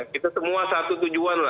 kita semua satu tujuan lah